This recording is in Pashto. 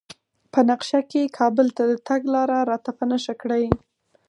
په نقشه کې کابل ته د تګ لار راته په نښه کړئ